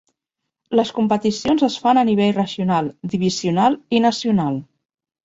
Les competicions es fan a nivell regional, divisional i nacional.